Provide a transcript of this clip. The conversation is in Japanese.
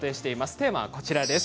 テーマはこちらです